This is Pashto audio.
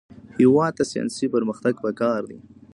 هېواد ته ساینسي پرمختګ پکار دی